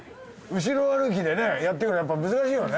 後ろ歩きでねやってるからやっぱ難しいよね。